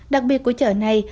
đặc biệt của chợ này